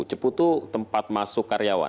cepu itu tempat masuk karyawan